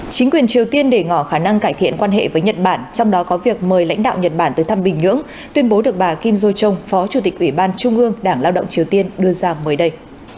chính quyền triều tiên để ngỏ khả năng cải thiện quan hệ với nhật bản trong đó có việc mời lãnh đạo nhật bản tới thăm bình nhưỡng tuyên bố được bà kim do chong phó chủ tịch ủy ban trung ương đảng lao động triều tiên đưa ra mới đây